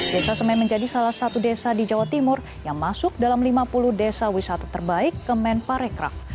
desa semen menjadi salah satu desa di jawa timur yang masuk dalam lima puluh desa wisata terbaik kemen parekraf